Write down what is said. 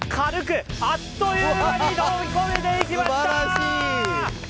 あっという間に登っていきました。